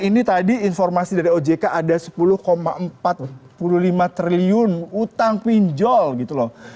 ini tadi informasi dari ojk ada sepuluh empat puluh lima triliun utang pinjol gitu loh